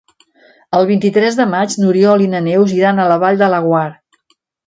El vint-i-tres de maig n'Oriol i na Neus iran a la Vall de Laguar.